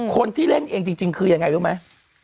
คนที่เล่นเองจริงคือยังไงรู้ไหม